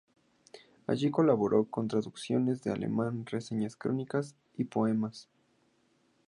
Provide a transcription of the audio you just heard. Allí colaboró con traducciones del alemán, reseñas, crónicas y poemas.